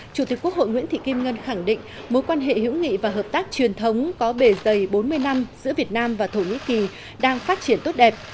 chủ tịch quốc hội nguyễn thị kim ngân khẳng định mối quan hệ hữu nghị và hợp tác truyền thống có bề dày bốn mươi năm giữa việt nam và thổ nhĩ kỳ đang phát triển tốt đẹp